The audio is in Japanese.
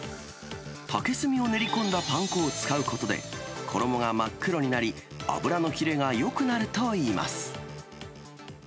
竹炭を練り込んだパン粉を使うことで、衣が真っ黒になり、油の切れがよくなるといいます。